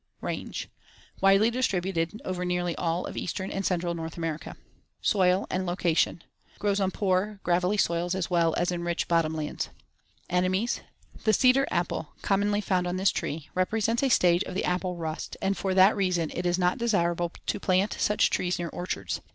Range: Widely distributed over nearly all of eastern and central North America. Soil and location: Grows on poor, gravelly soils as well as in rich bottom lands. Enemies: The "cedar apple," commonly found on this tree, represents a stage of the apple rust, and for that reason it is not desirable to plant such trees near orchards.